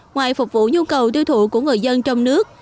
ngoài phục vụ nhu cầu tiêu thụ của người dân trong nước